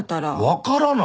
分からないよ。